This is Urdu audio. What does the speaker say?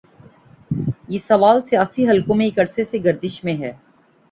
یہ سوال سیاسی حلقوں میں ایک عرصے سے گردش میں ہے۔